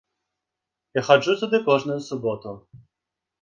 Я хаджу туды кожную суботу.